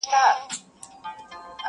o لا خو زما او د قاضي یوشان رتبه ده,